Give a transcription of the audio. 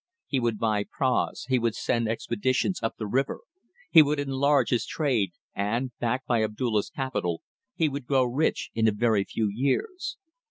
He would buy praus, he would send expeditions up the river, he would enlarge his trade, and, backed by Abdulla's capital, he would grow rich in a very few years.